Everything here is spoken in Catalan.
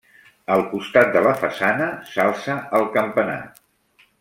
Al costat de la façana s'alça el campanar.